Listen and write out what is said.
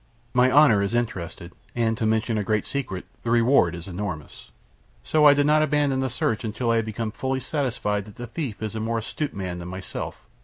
My honor is interested, and, to mention a great secret, the reward is enormous. So I did not abandon the search until I had become fully satisfied that the thief is a more astute man than myself.